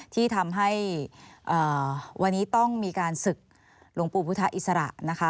ที่ทำให้วันนี้ต้องมีการศึกหลวงปู่พุทธอิสระนะคะ